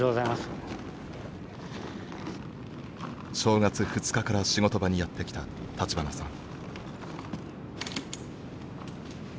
正月２日から仕事場にやって来た立花さん。